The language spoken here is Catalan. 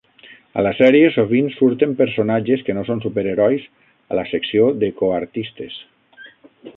A la sèrie sovint surten personatges que no són superherois a la secció de co-artistes.